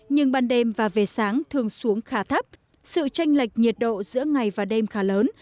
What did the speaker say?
nhưng ban đêm và về sáng thường xuống khá thấp sự tranh lệch nhiệt độ giữa ngày và đêm khá lớn